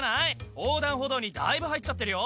横断歩道にだいぶ入っちゃってるよ